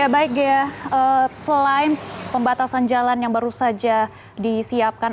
baik ghea selain pembatasan jalan yang baru saja disiapkan